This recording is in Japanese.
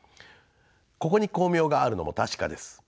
ここに光明があるのも確かです。